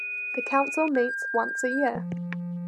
The Council meets once a year.